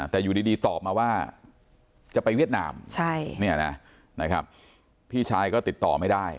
แต่อยู่ดีตอบมาว่าจะไปเวียดนามพี่ชายก็ติดต่อไม่ได้